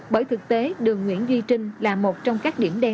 bởi thực tế đường nguyễn duy trinh là một trong các điểm đen